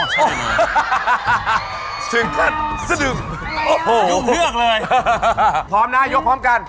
ครับโอ้โหใช่เลยโอ้โหถึงเลือกเลยพร้อมนะยกพร้อมกัน